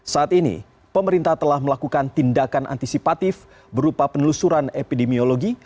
saat ini pemerintah telah melakukan tindakan antisipatif berupa penelusuran epidemiologi